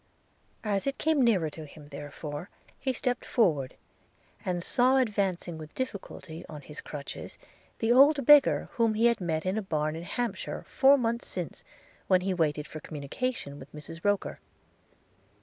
As it came nearer to him, therefore, he stepped forward, and saw advancing with difficulty on his crutches the old beggar whom he had met in a barn in Hampshire four months since, when he waited for communication with Mrs Roker.